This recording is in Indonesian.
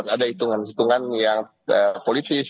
ada hitungan hitungan yang politis